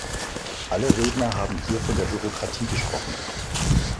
Alle Redner haben hier von der Bürokratie gesprochen.